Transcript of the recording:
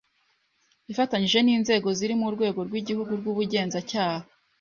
ifatanyije n’inzego zirimo Urwego rw’Igihugu rw’Ubugenzacyaha,